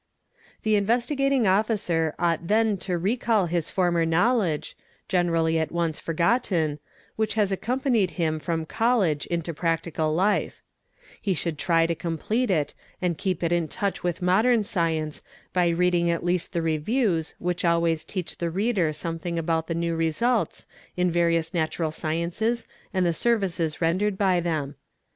_ The Investigating Officer ought then to recall his former knowledge, generally at once forgotten, which has accompanied him from college into Pp ig tical life; he should try to complete it and keep it in touch with "Modern science by reading at least the reviews which always teach the 220 THE EXPERT reader something about the new results in various natural sciences and — the services rendered by them.